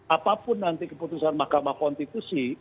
apapun nanti keputusan mahkamah konstitusi